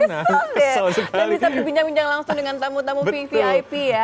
kesel ya dan bisa dibincang bincang langsung dengan tamu tamu vvip ya